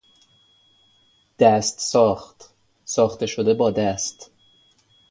دست ساخت، ساخته شده با دست